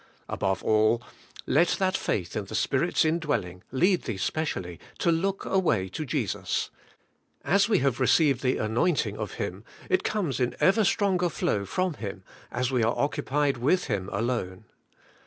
Above all, let that faith in the Spirit's indwelling lead thee spe cially, to look away to Jesus; as we have received the anointing of Him^ it comes in ever stronger flow from Him as we are occupied with Him alone.